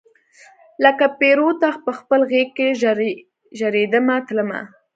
لکه پیروته پخپل غیږ کې ژریدمه تلمه